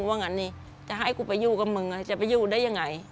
ว่างั้นนี่จะให้กูไปอยู่กับมึงจะไปอยู่ได้ยังไง